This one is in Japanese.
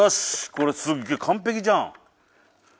これすげえ完璧じゃん。